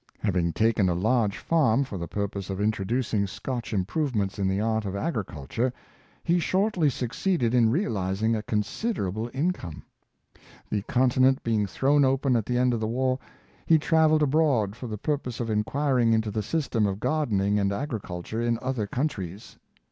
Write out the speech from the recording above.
Having taken a large farm, 236 Samuel Drew, for the purpose of introducing Scotch improvements in the art of agriculture, he shortly succeeded in realizing a considerable income. The continent being thrown open at the end of the war, he traveled abroad for the purpose of inquiring into the system of gardening and agriculture in other countries.